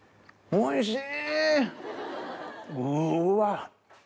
おいしい！